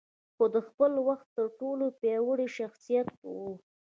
خو د خپل وخت تر ټولو پياوړی شخصيت و.